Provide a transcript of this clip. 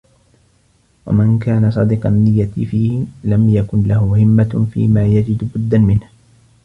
وَمَنْ كَانَ صَادِقَ النِّيَّةِ فِيهِ لَمْ يَكُنْ لَهُ هِمَّةٌ فِيمَا يَجِدُ بُدًّا مِنْهُ